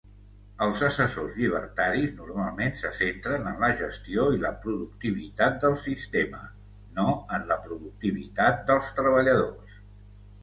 Els assessors llibertaris normalment se centren en la gestió i la productivitat del sistema, no en la productivitat dels treballadors.